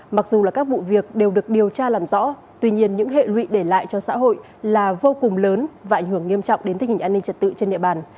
mặc dù là các vụ việc đều được điều tra làm rõ tuy nhiên những hệ lụy để lại cho xã hội là vô cùng lớn và ảnh hưởng nghiêm trọng đến tình hình an ninh trật tự trên địa bàn